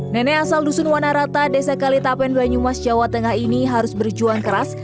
nenek asal dusun wanarata desa kalitapen banyumas jawa tengah ini harus berjuang keras